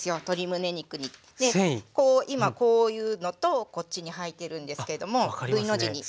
こう今こういうのとこっちに入ってるんですけどもＶの字にね。